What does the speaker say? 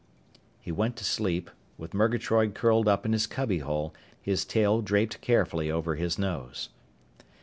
_ He went to sleep, with Murgatroyd curled up in his cubbyhole, his tail draped carefully over his nose.